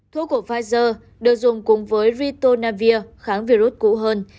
thuốc của pfizer được dùng cùng với retonavir kháng virus cũ hơn